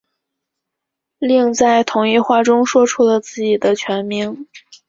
另在同一话中说出了自己全名。